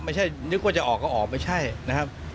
นึกว่าจะออกก็ออกไม่ใช่นะครับ